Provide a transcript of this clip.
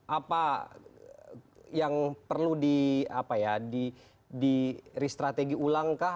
apa yang perlu di apa ya di restrategi ulang kah